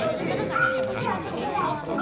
あっスイおてつだいする！